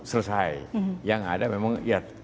selesai yang ada memang